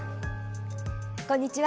こんにちは。